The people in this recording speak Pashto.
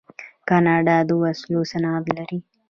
کاناډا د وسلو صنعت لري.